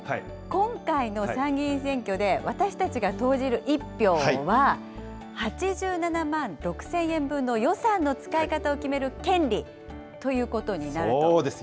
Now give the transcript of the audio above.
今回の参議院選挙で私たちが投じる１票は、８７万６０００円分の予算の使い方を決める権利というそうです。